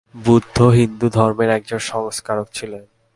বুদ্ধ হিন্দুধর্মের একজন সংস্কারক ছিলেন।